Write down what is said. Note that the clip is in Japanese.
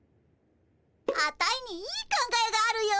アタイにいい考えがあるよ。